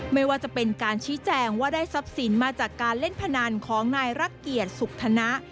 ไม่ว่าจะเป็นการชี้แจงว่าได้ทรัพย์สินมาจากการเล่นพนันของนายรักเกียจสุขธนะ